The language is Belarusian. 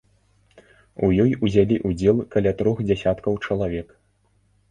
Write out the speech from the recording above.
У ёй узялі ўдзел каля трох дзясяткаў чалавек.